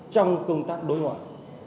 trong công tác đối ngoại